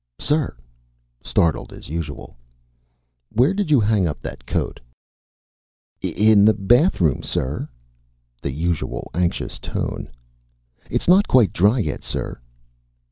"Sir!" Startled as usual. "Where did you hang up that coat?" "In the bathroom, sir." The usual anxious tone. "It's not quite dry yet, sir."